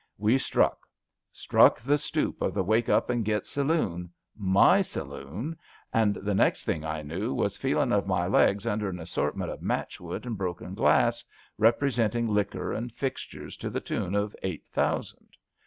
We struck — struck the stoop of the * Wake Up an' Git Saloon '— my saloon — and the next thing I knew was feeling of my legs under an assortment of matchwood and broken glass, repre senting liquor and fixtures to the tune of eight thousand.